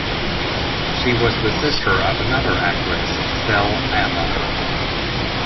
She was the sister of another actress, Cele Abba.